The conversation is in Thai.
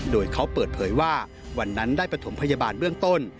โดยเขาเปิดเผยว่าวันนั้นได้ประถมพยาบาลเบื้องต้น